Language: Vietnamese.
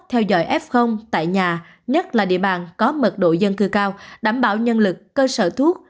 theo dõi f tại nhà nhất là địa bàn có mật độ dân cư cao đảm bảo nhân lực cơ sở thuốc